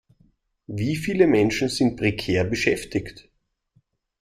Wie viele Menschen sind prekär beschäftigt?